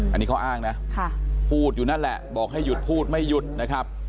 อันนี้เขาอ้างนะพูดอยู่นั่นแหละบอกให้หยุดพูดไม่หยุดนะครับ